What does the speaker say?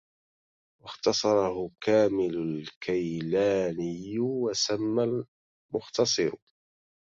واختصره كامل الكيلاني وسمى المختصر